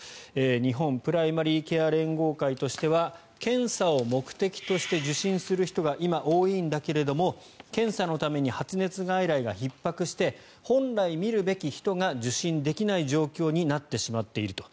日本プライマリ・ケア連合学会としては検査を目的として受診する人が今、多いんだけれども検査のために発熱外来がひっ迫して本来診るべき人が受診できない状況になってしまっていると。